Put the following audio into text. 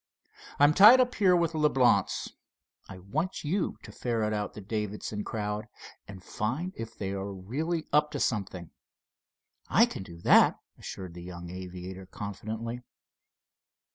I am tied up here with Leblance. I want you to ferret out the Davidson crowd and find if they are really up to something." "I can do that," assured the young aviator, confidently.